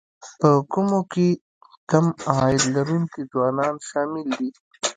په کومو کې کم عاید لرونکي ځوانان شامل دي